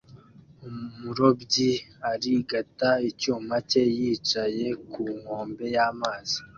Umurobyi arigata icyuma cye yicaye ku nkombe y'amazi